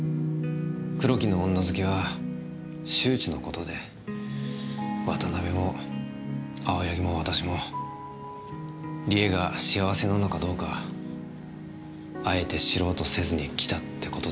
黒木の女好きは周知のことで渡辺も青柳も私も梨絵が幸せなのかどうかあえて知ろうとせずにきたってことです。